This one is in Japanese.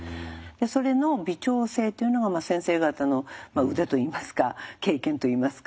それの微調整というのが先生方の腕といいますか経験といいますか。